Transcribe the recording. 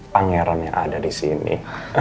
pangeran yang ada disini